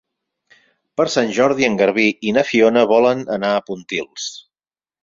Per Sant Jordi en Garbí i na Fiona volen anar a Pontils.